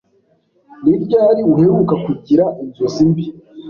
Ni ryari uheruka kugira inzozi mbi?